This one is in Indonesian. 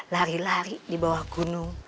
lari lari di bawah gunung